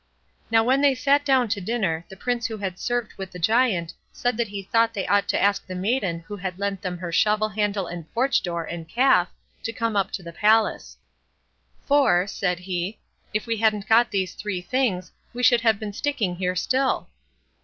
Now when they sat down to dinner, the Prince who had served with the Giant said he thought they ought to ask the maiden who had lent them her shovel handle and porch door, and calf, to come up to the palace. "For", said he, "if we hadn't got these three things, we should have been sticking here still."